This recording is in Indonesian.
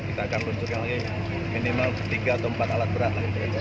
kita akan luncurkan lagi minimal tiga atau empat alat berat